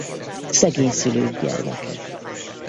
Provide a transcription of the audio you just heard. Szegény szülők gyermeke.